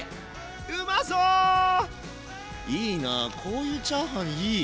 いいなこういうチャーハンいい！